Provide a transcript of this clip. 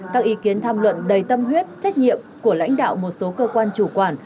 các ý kiến tham luận đầy tâm huyết trách nhiệm của lãnh đạo một số cơ quan chủ quản